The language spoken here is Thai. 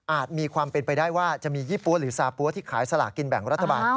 มีความเป็นไปได้ว่าจะมียี่ปั๊วหรือซาปั๊วที่ขายสลากินแบ่งรัฐบาล